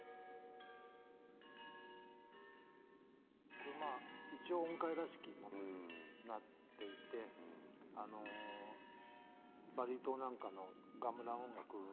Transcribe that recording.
これまあ一応音階らしきものになっていてバリ島なんかのガムラン音楽にも近いような。